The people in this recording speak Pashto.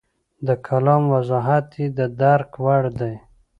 د کلام وضاحت یې د درک وړ دی.